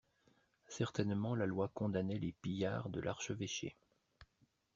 Certainement la Loi condamnait les pillards de l'archevêché.